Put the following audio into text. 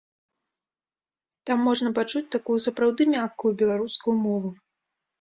Там можна пачуць такую сапраўды мяккую беларускую мову.